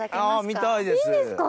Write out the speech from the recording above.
あ見たいです。